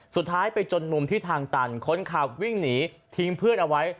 สุดท้ายไปจนมุมที่ทางตันคนขับวิ่งหนีทิ้งเพื่อนเอาไว้